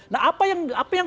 nah apa yang